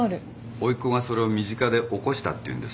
おいっ子がそれを身近で起こしたっていうんです。